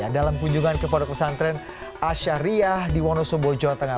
dalam kunjungan ke pondok pesantren asyariah di wonosobo jawa tengah